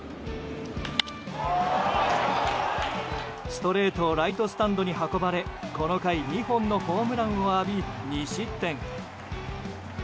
ストレートをライトスタンドに運ばれこの回、２本のホームランを浴び２失点。